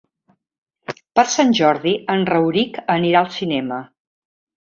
Per Sant Jordi en Rauric anirà al cinema.